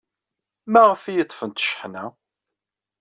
Maɣerf ay iyi-ḍḍfent cceḥna?